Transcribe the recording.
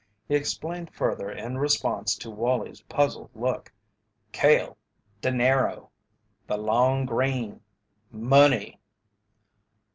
He explained further in response to Wallie's puzzled look: "Kale dinero the long green money."